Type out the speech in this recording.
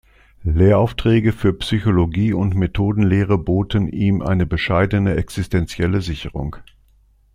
Lehraufträge für Psychologie und Methodenlehre boten ihm eine bescheidene existenzielle Sicherung.